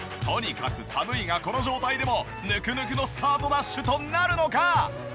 とにかく寒いがこの状態でもぬくぬくのスタートダッシュとなるのか？